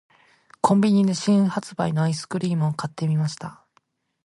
•コンビニで新発売のアイスクリームを買ってみました。